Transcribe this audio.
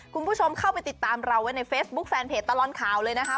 คุณผู้ชมเข้าไปติดตามเราไว้ในเฟซบุ๊คแฟนเพจตลอดข่าวเลยนะคะ